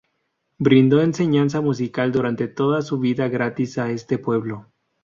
Brindó enseñanza musical durante toda su vida gratis a este pueblo.